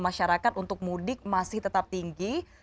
masyarakat untuk mudik masih tetap tinggi